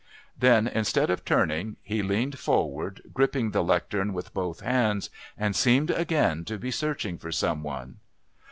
Then, instead of turning, he leaned forward, gripping the Lectern with both hands, and seemed again to be searching for some one.